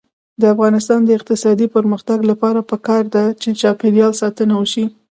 د افغانستان د اقتصادي پرمختګ لپاره پکار ده چې چاپیریال ساتنه وشي.